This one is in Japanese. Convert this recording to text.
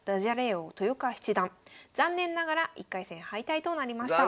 王・豊川七段残念ながら１回戦敗退となりました。